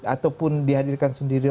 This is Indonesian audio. ataupun dihadirkan sendiri